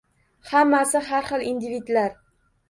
Hammasi har xil individlar.